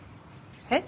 えっ？